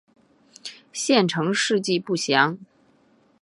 县成事迹不详。